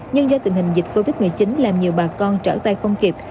nhưng do tình hình dịch covid một mươi chín làm nhiều bà con trở tay không kịp